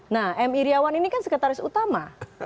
nah m iryawan ini kan sekretaris utama